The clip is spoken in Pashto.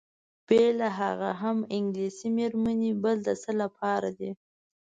بېله هغه هم انګلیسۍ میرمنې بل د څه لپاره دي؟